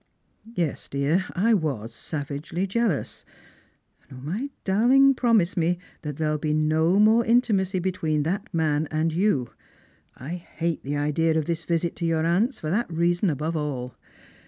" Yes, dear, I was savagely jealous ; and 0, my darling, pro mise me that there shall be no more intimacy between that man and you. I hate the idea of this visit to your aunt's, for that reason above all.